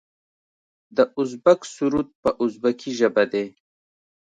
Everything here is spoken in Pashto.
د ازبک سرود په ازبکي ژبه دی.